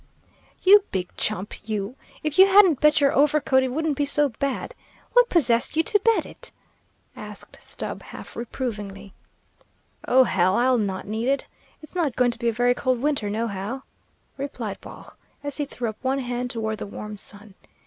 "You big chump, you! if you hadn't bet your overcoat it wouldn't be so bad. What possessed you to bet it?" asked Stubb, half reprovingly. "Oh, hell, I'll not need it. It's not going to be a very cold winter, nohow," replied Baugh, as he threw up one eye toward the warm sun.